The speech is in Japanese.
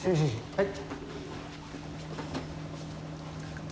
はい。